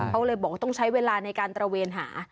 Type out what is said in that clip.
เขาก็เลยบอกว่าต้องใช้เวลาในการตระเวนหา